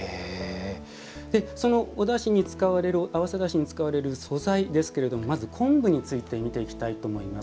そのおだしに使われる合わせだしに使われる素材ですけれどもまず昆布について見ていきたいと思います。